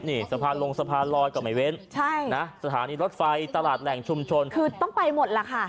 นี่สะพานลงสะพานลอยก็ไม่เว้นใช่นะสถานีรถไฟตลาดแหล่งชุมชนคือต้องไปหมดล่ะค่ะ